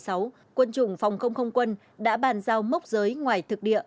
năm hai nghìn một mươi sáu quân chủng phòng không không quân đã bàn giao mốc giới ngoài thực địa